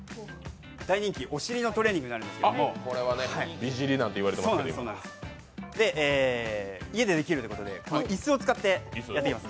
大人気、お尻のトレーニングになるんですけれども家でできるということで椅子を使ってやっていきます。